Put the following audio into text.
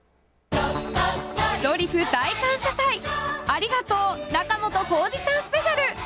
「ドリフ大感謝祭ありがとう仲本工事さんスペシャル」。